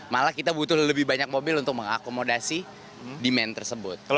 malah kita butuh lebih banyak mobil untuk mengakomodasi demand tersebut